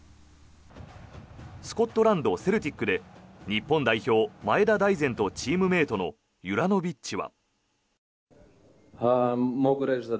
スコットランドセルティックで日本代表、前田大然とチームメイトのユラノビッチは。